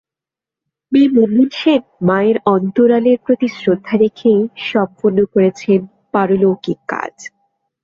মেয়ে মুনমুন সেন মায়ের অন্তরালের প্রতি শ্রদ্ধা রেখেই সম্পন্ন করেছেন পারলৌকিক কাজ।